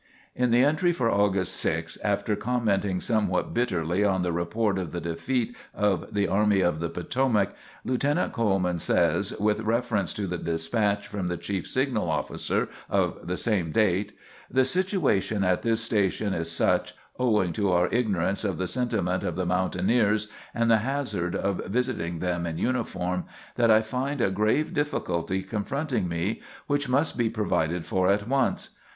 In the entry for August 6, after commenting somewhat bitterly on the report of the defeat of the Army of the Potomac, Lieutenant Coleman says, with reference to the despatch from the chief signal officer of the same date: "The situation at this station is such, owing to our ignorance of the sentiment of the mountaineers and the hazard of visiting them in uniform, that I find a grave difficulty confronting me, which must be provided for at once.